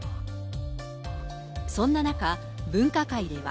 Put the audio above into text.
そんな中、分科会では。